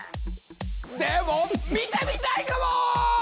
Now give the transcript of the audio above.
でも見てみたいかも！！